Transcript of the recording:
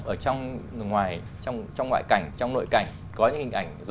ở trong ngoại cảnh trong nội cảnh